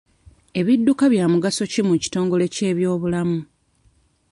Ebidduka bya mugaso ki mu kitongole ky'ebyobulamu?